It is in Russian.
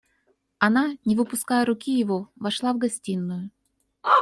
Она, не выпуская руки его, вошла в гостиную.